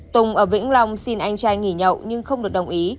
tùng ở vĩnh long xin anh trai nghỉ nhậu nhưng không được đồng ý